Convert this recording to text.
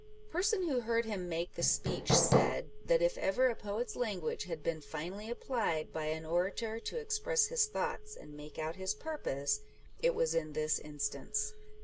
The person who heard him make the speech said, that, if ever a poet's language had been finely applied by an orator to express his thoughts and make out his purpose, it was in this instance.